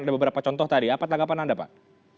ada beberapa contoh tadi apa tanggapan anda pak